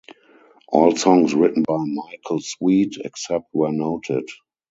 All songs written by Michael Sweet, except where noted.